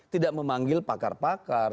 tidak memanggil pakar pakar